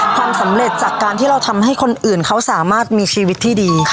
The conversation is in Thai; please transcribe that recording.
ความสำเร็จจากการที่เราทำให้คนอื่นเขาสามารถมีชีวิตที่ดี